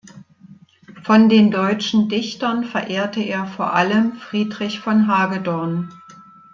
Von den deutschen Dichtern verehrte er vor allem Friedrich von Hagedorn.